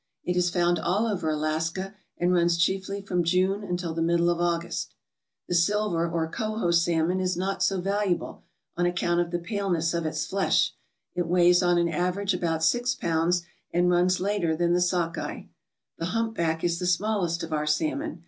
It is found all over Alaska and runs chiefly from June until the middle of August, The silver or Coho salmon is not so valuable, on account of the paleness of its flesh, It weighs on an average about six pounds, and runs later than the sock eye. The hump back is the smallest of our salmon.